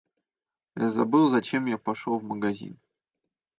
Я забыл, зачем я пошёл в магазин.